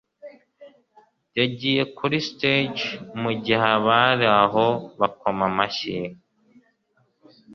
Yagiye kuri stage mugihe abari aho bakoma amashyi